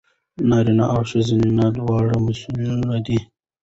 نارینه او ښځینه دواړه مسوول دي.